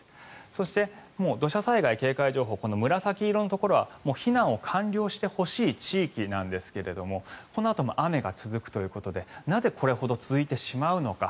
そして土砂災害警戒情報紫色のところは避難を完了してほしい地域なんですけれどもこのあとも雨が続くということでなぜこれほど続いてしまうのか